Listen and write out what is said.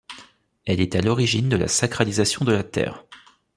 Elle est à l'origine de la sacralisation de la terre.